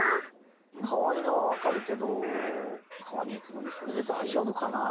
かわいいのはわかるけど川にいくのにそれでだいじょうぶかな？